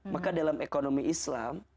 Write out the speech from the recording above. maka dalam ekonomi islam